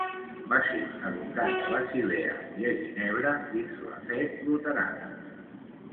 Va ser educat a Basilea i a Ginebra dins la fe luterana.